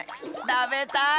たべたい！